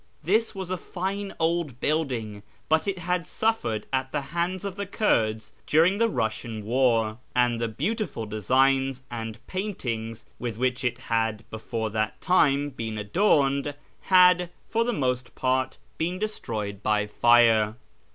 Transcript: This was a fine old building, but it had suffered at the hands of the Kurds during the Eussian war, and the beautiful designs and paintings with which it had before that time been adorned had for the most part been destroyed by fire.